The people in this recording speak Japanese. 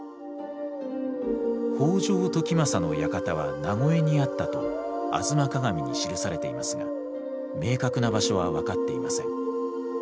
北条時政の館は名越にあったと「吾妻鏡」に記されていますが明確な場所は分かっていません。